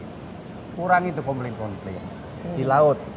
kurang itu komplit komplit di laut